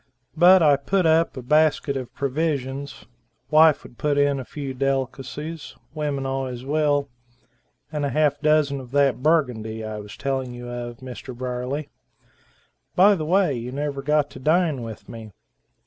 But I put up a basket of provisions, wife would put in a few delicacies, women always will, and a half dozen of that Burgundy, I was telling you of Mr. Briefly. By the way, you never got to dine with me."